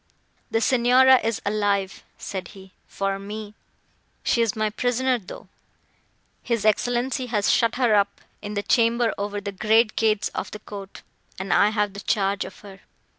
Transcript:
"The Signora is alive," said he, "for me. She is my prisoner, though; his Excellenza has shut her up in the chamber over the great gates of the court, and I have the charge of her.